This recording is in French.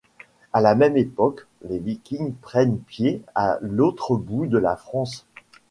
À la même époque, les Vikings prennent pied à l'autre bout de la France.